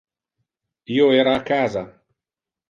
Io era a casa.